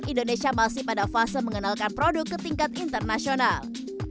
indonesia masih pada fase mengenalkan produk ke tingkat internasional